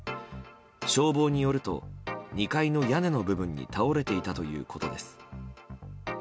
消防によると２階の屋根の部分に倒れていたということです。